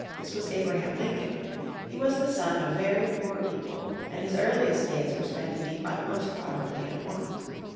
This was Abraham Lincoln. He was the son of very poor people and his earliest days were spent in the utmost poverty and want.